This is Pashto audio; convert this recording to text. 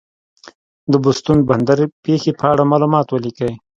د بوستون بندر پېښې په اړه معلومات ولیکئ.